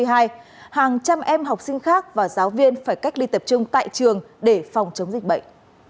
hàng trăm em học sinh khác và giáo viên phải cách ly tập trung tại trường để phòng chống dịch bệnh